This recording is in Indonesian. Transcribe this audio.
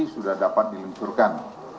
sudah dapat diluncurkan